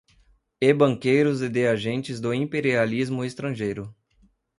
e banqueiros e de agentes do imperialismo estrangeiro